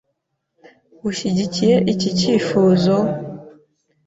Ushyigikiye iki cyifuzo?